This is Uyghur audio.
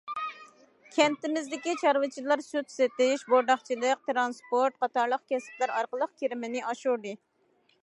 كەنتىمىزدىكى چارۋىچىلار سۈت سېتىش، بورداقچىلىق، تىرانسپورت قاتارلىق كەسىپلەر ئارقىلىق كىرىمىنى ئاشۇردى.